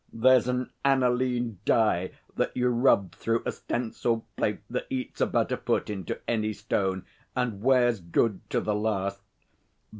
There's an aniline dye that you rub through a stencil plate that eats about a foot into any stone and wears good to the last.